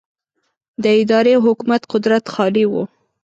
د ادارې او حکومت قدرت خالي و.